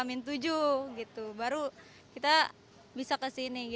amin tujuh baru kita bisa ke sini